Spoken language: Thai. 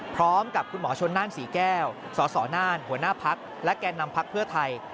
พร้อมกับคุณหมอชนน่านศรีแก้วสสน่านหัวหน้าพักและแก่นำพักเพื่อไทย